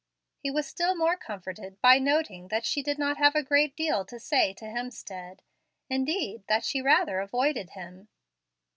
He was still more comforted by noting that she did not have a great deal to say to Hemstead indeed, that she rather avoided him.